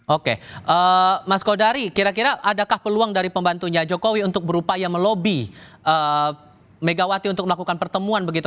oke mas kodari kira kira adakah peluang dari pembantunya jokowi untuk berupaya melobi megawati untuk melakukan pertemuan begitu